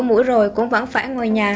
mũi rồi cũng vẫn phải ngồi nhà